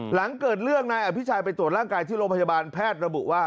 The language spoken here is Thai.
หลังเกิดเรื่องนายอภิชัยไปตรวจร่างกายที่โรงพยาบาลแพทย์ระบุว่า